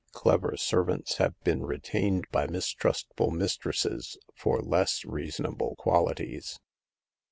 Clever servants have been retained by mistrustful mistresses for less reasonable qualities.